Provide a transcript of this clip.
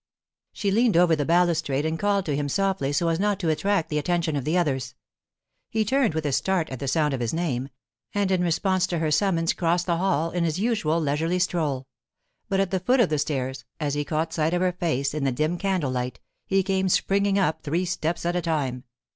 She leaned over the balustrade and called to him softly so as not to attract the attention of the others. He turned with a start at the sound of his name, and in response to her summons crossed the hall in his usual leisurely stroll. But at the foot of the stairs, as he caught sight of her face in the dim candle light, he came springing up three steps at a time.